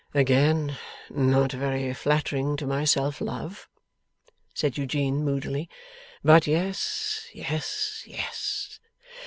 'Again, not very flattering to my self love,' said Eugene, moodily; 'but yes. Yes. Yes.